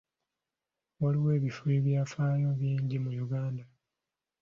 Waliwo ebifo by'ebyafaayo bingi mu Uganda.